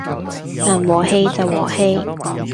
能和氣就和氣